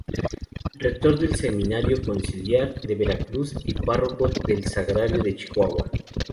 Rector del Seminario Conciliar de Veracruz y párroco del Sagrario de Chihuahua.